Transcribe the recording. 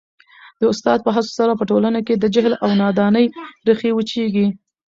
د استاد په هڅو سره په ټولنه کي د جهل او نادانۍ ریښې وچیږي.